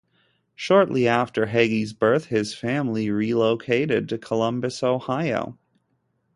Shortly after Heggie's birth, his family relocated to Columbus, Ohio.